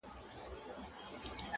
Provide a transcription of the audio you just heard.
نن د هر گل زړگى په وينو رنـــــگ دى_